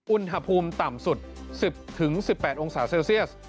อุณหภูมิต่ำสุด๑๐๑๘องศาเซลเซียส